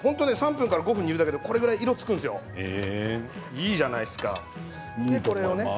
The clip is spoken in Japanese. ３分から５分煮るだけでこれぐらい色がつくんですよいいじゃないですか。